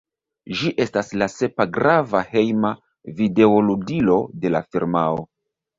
Ĝi estas la sepa grava hejma videoludilo de la firmao.